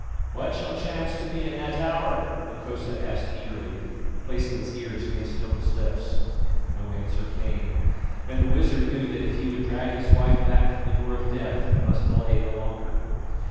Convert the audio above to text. "What shall chance to me in that hour?" Hokosa asked eagerly, placing his ears against Noma's lips. No answer came; and the wizard knew that if he would drag his wife back from the door of death he must delay no longer.